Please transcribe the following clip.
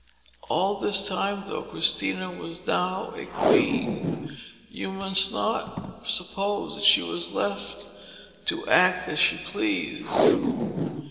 All this time, though Christina was now a queen, you must not suppose that she was left to act as she pleased.